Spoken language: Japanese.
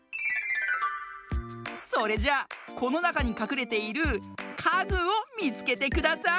それじゃあこのなかにかくれている「かぐ」をみつけてください。